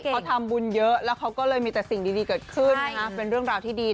เขาทำบุญเยอะแล้วเขาก็เลยมีแต่สิ่งดีเกิดขึ้นเป็นเรื่องราวที่ดี